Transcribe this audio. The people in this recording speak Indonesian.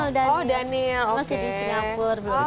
masih di singapura